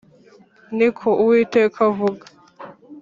Ni ko Uwiteka avuga